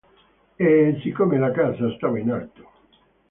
E siccome la casa stava in alto.